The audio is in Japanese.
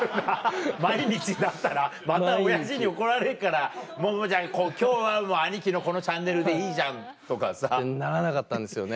また親父に怒られるからもう今日は兄貴のこのチャンネルでいいじゃんとかさ。ならなかったんですよね。